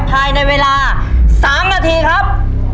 ภายในเวลา๓นาทีครับ